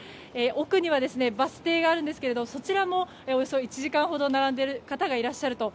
奥には、バス停があるんですがそちらも、およそ１時間ほど並んでいる方がいらっしゃると。